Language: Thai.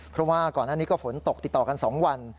เพราะว่าก่อนหน้านี้ก็ฝนตกติดต่อกัน๒วัน